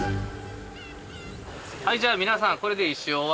はいじゃあ皆さんこれで一周終わりです。